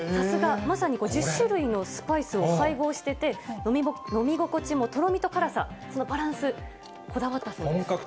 まさに１０種類のスパイスを配合してて、飲み心地も、とろみと辛さ、そのバランス、本格的。